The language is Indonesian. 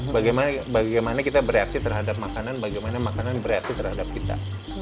bagaimana kita bereaksi terhadap makanan bagaimana makanan bereaksi terhadap kita